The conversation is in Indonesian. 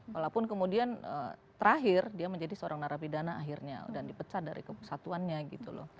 walaupun kemudian terakhir dia menjadi seorang narapidana akhirnya dan dipecat dari kesatuannya gitu loh